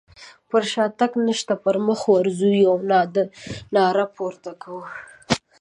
پر شاتګ نشته پر مخ ورځو يوه ناره پورته کوو.